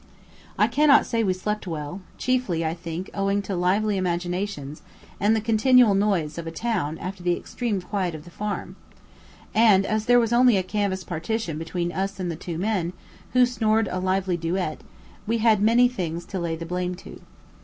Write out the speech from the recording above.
I cannot say we slept well, chiefly, I think, owing to lively imaginations and the continual noise of a town after the extreme quiet of the farm; and as there was only a canvas partition between us and the two men, who snored a lively duet, we had many things to lay the blame to.